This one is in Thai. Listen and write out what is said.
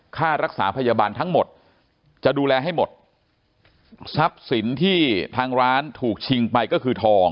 ค่ารักษาพยาบาลทั้งหมดจะดูแลให้หมดทรัพย์สินที่ทางร้านถูกชิงไปก็คือทอง